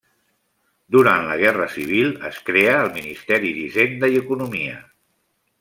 Durant la Guerra Civil es crea el Ministeri d'Hisenda i Economia.